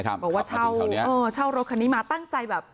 บอกว่าเช่าเช่ารถคันนี้มาตั้งใจแบบ